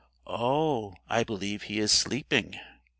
"Oh, I believe he is sleeping."